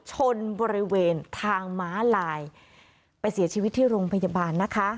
ชนบริเวณทางม้าลายไปเสียชีวิตที่โรงพยาบาลนะคะ